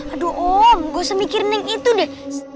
aduh om gak usah mikirin yang itu deh